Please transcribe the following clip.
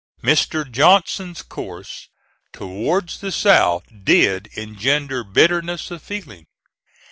Mr. Johnson's course towards the South did engender bitterness of feeling.